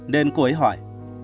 nên cô ấy hỏi